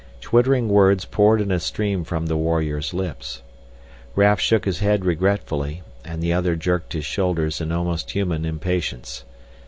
Twittering words poured in a stream from the warrior's lips. Raf shook his head regretfully, and the other jerked his shoulders in almost human impatience.